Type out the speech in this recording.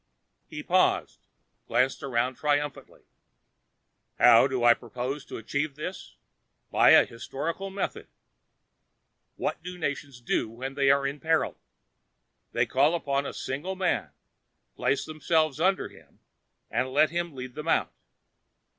He paused, glanced around triumphantly. "How do I propose to achieve this? By a historical method. What do nations do when they are in peril? They call upon a single man, place themselves under him and let him lead them out.